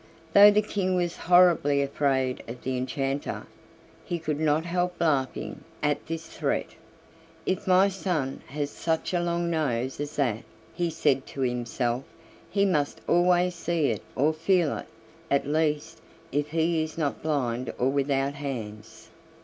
Though the King was horribly afraid of the enchanter, he could not help laughing at this threat. "If my son has such a long nose as that," he said to himself, "he must always see it or feel it; at least, if he is not blind or without hands."